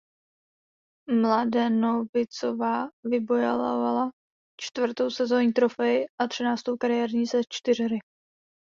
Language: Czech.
Mladenovicová vybojovala čtvrtou sezónní trofej a třináctou kariérní ze čtyřhry.